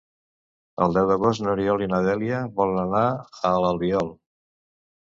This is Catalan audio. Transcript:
El deu d'agost n'Oriol i na Dèlia volen anar a l'Albiol.